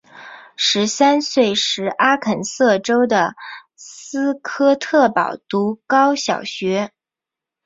十三岁时阿肯色州的斯科特堡读高小学。